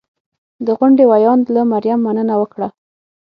د غونډې ویاند له مریم مننه وکړه